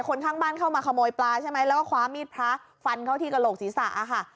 ข้างบ้านเข้ามาขโมยปลาใช่ไหมแล้วก็คว้ามีดพระฟันเข้าที่กระโหลกศีรษะค่ะ